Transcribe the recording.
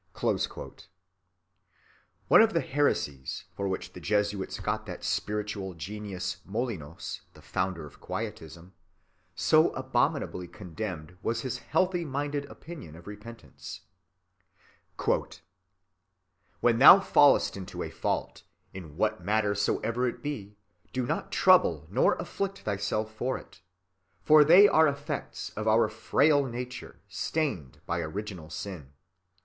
(67) One of the heresies for which the Jesuits got that spiritual genius, Molinos, the founder of Quietism, so abominably condemned was his healthy‐ minded opinion of repentance:— "When thou fallest into a fault, in what matter soever it be, do not trouble nor afflict thyself for it. For they are effects of our frail Nature, stained by Original Sin.